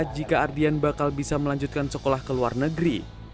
jika ardian bakal bisa melanjutkan sekolah ke luar negeri